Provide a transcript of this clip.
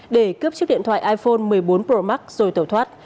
để cướp chiếc điện thoại iphone một mươi bốn pro max rồi tẩu thoát